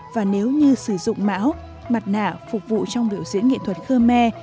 và nếu như sử dụng mão mặt nạ phục vụ trong biểu diễn nghệ thuật khơ me